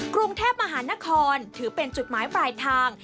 กรุงเทพมหานครถือเป็นจุดหมายปลายทาง